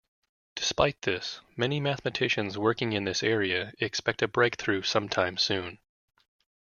Despite this, many mathematicians working in this area expect a breakthrough sometime soon.